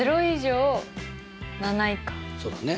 そうだね。